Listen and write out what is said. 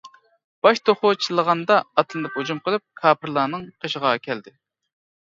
باش توخۇ چىللىغاندا ئاتلىنىپ ھۇجۇم قىلىپ، كاپىرلارنىڭ قېشىغا كەلدى.